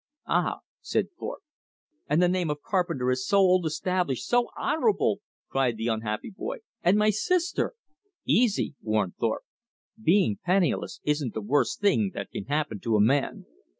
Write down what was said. "Ah!" said Thorpe. "And the name of Carpenter is so old established, so honorable!" cried the unhappy boy, "and my sister!" "Easy!" warned Thorpe. "Being penniless isn't the worst thing that can happen to a man."